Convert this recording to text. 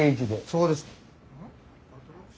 そうです。